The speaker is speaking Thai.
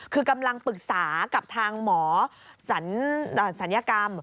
คือกำลังปรึกษากับทางหมอศัลยกรรม